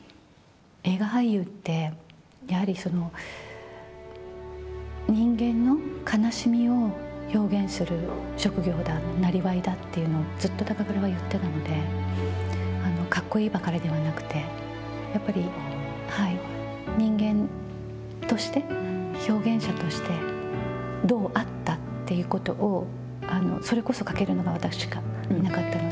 映画俳優って、やはりその、人間の悲しみを表現する職業だ、生業だっていうのを、ずっと高倉は言ってたので、かっこいいばかりではなくて、やっぱり、人間として表現者として、どうあったっていうことを、それこそ書けるのは私しかいなかったので。